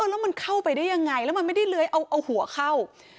แล้วมันเข้าไปได้ยังไงแล้วมันไม่ได้เลื้อยเอาหัวเข้า